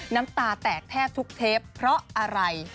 น้ำตาแตกแทบทุกเทปเพราะอะไร